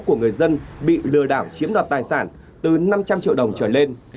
của người dân bị lừa đảo chiếm đoạt tài sản từ năm trăm linh triệu đồng trở lên